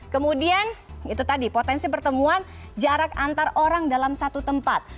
kemudian itu tadi potensi pertemuan jarak antar orang dalam satu tempat